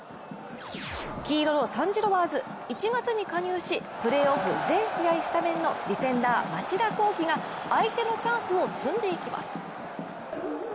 黄色のサン＝ジロワーズ、１月に加入し、プレーオフ全試合スタメンのディフェンダー・町田浩樹が相手のチャンスをつんでいきます。